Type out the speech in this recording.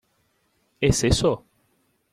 Es eso?